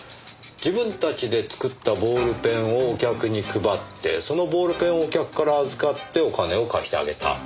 自分たちで作ったボールペンをお客に配ってそのボールペンをお客から預かってお金を貸してあげた。